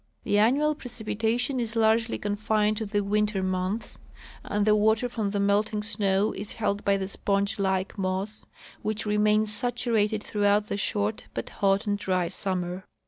The annual precipitation is largely confined to the winter months, and the water from the melting snow is held by the sponge like moss, which remains saturated throughout the short but hot and dry summer.